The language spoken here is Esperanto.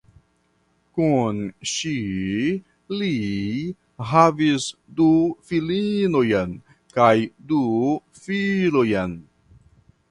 Kun ŝi li havis du filinojn kaj du filojn.